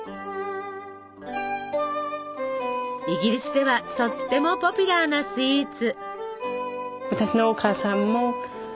イギリスではとってもポピュラーなスイーツ。